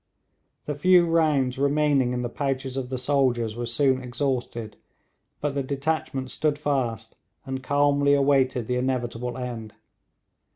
The few rounds remaining in the pouches of the soldiers were soon exhausted, but the detachment stood fast, and calmly awaited the inevitable end.